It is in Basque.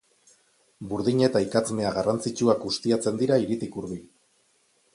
Burdina eta ikatz mea garrantzitsuak ustiatzen dira hiritik hurbil.